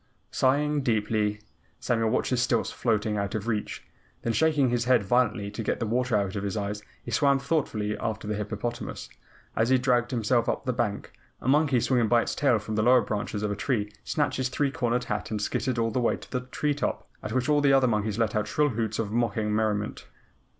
Sighing deeply, Samuel watched his stilts floating out of reach, then shaking his head violently to get the water out of his eyes, he swam thoughtfully after the hippopotamus. As he dragged himself up on the bank, a monkey swinging by its tail from the lower branches of a tree snatched his three cornered hat and scittered all the way to the tree top, at which all the other monkeys let out shrill hoots of mocking merriment.